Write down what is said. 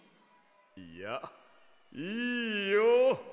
いやいいよ。